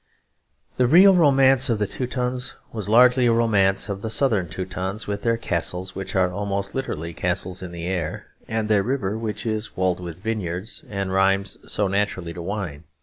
The real romance of the Teutons was largely a romance of the Southern Teutons, with their castles, which are almost literally castles in the air, and their river which is walled with vineyards and rhymes so naturally to wine.